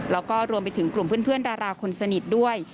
แล้วก็รวมไปถึงกลุ่มเพื่อนดาราคนสนิทด้วย